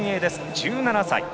１７歳。